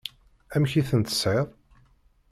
Amek i ten-tesεiḍ?